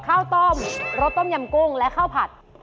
ข้าวต้มรสต้มยำกุ้งและข้าวผัด